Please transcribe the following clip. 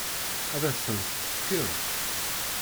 Ad as-tent-tefkem?